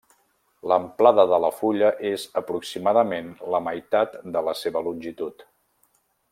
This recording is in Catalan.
L'amplada de la fulla és aproximadament la meitat de la seva longitud.